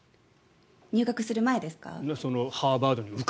入学する前ですか？